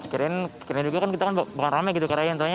kirain juga kan kita bakalan rame gitu